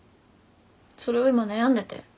それを今悩んでて。